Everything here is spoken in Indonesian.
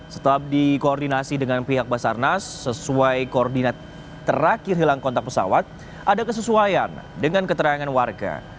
setelah dikoordinasi dengan pihak basarnas sesuai koordinat terakhir hilang kontak pesawat ada kesesuaian dengan keterangan warga